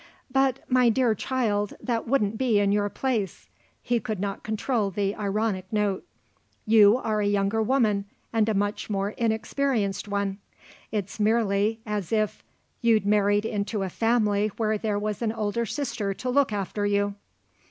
"But, my dear child, that wouldn't be in your place," he could not control the ironic note. "You are a younger woman and a much more inexperienced one. It's merely as if you'd married into a family where there was an elder sister to look after you."